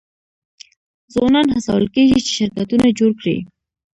ځوانان هڅول کیږي چې شرکتونه جوړ کړي.